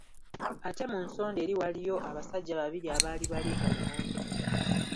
Ate ku mu sonda eri waaliyo abasajja babiri abaali balenga lumonde.